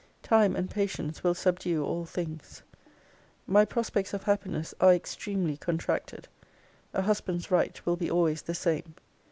Time and patience will subdue all things. My prospects of happiness are extremely contracted. A husband's right will be always the same.